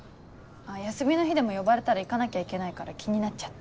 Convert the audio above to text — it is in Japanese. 休みの日でも呼ばれたら行かなきゃいけないから気になっちゃって。